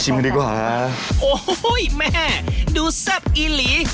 โอ้โฮแม่ดูแซ่บอีหลี